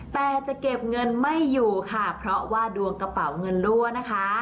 แต่จะเก็บเงินไม่อยู่ค่ะเพราะว่าดวงกระเป๋าเงินรั่วนะคะ